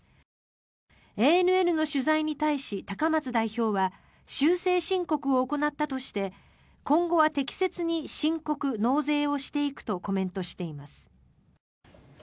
ＡＮＮの取材に対し、高松代表は修正申告を行ったとして今後は適切に申告納税をしていくとコメントしています。